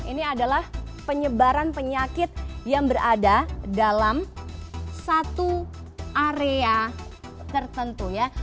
ini adalah penyebaran penyakit yang berada dalam satu area tertentu ya